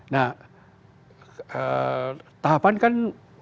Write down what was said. nah tahapan kan